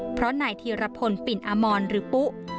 เพราะไหนทีระพลปิ่นอามอนหรือปุ๊ะ